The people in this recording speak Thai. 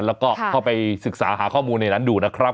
แล้วก็เข้าไปศึกษาหาข้อมูลในนั้นดูนะครับ